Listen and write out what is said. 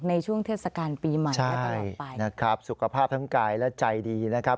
ในช่วงเทศกาลปีใหม่ใช่นะครับสุขภาพทั้งกายและใจดีนะครับ